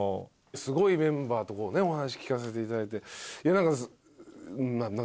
すごいメンバーとお話聞かせていただいて。